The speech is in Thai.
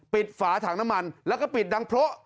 ฝาถังน้ำมันแล้วก็ปิดดังเพราะ